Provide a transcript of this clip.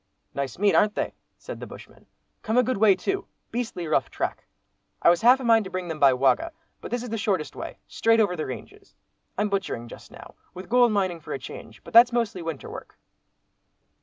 "Nice meat, ar'n't they?" said the bushman; "come a good way too. Beastly rough track; I was half a mind to bring them by Wagga—but this is the shortest way—straight over the ranges. I'm butchering just now, with gold mining for a change, but that's mostly winter work."